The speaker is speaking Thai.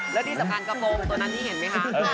แล้วที่สำคัญกระโปรงตัวนั้นที่เห็นไหมคะ